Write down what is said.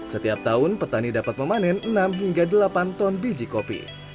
setiap tahun petani dapat memanen enam hingga delapan ton biji kopi